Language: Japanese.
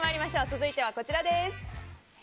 続いてはこちらです。